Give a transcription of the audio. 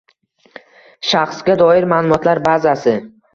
shaxsga doir ma’lumotlar bazasi